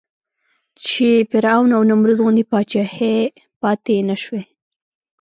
چې فرعون او نمرود غوندې پاچاهۍ پاتې نه شوې.